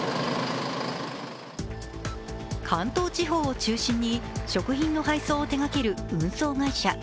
関東地方を中心に食品の配送を手がける運送会社。